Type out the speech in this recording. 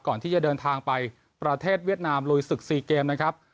ก่อนที่จะเดินทางไปประเทศเวียดนามลุยศึก๔เกมนะครับ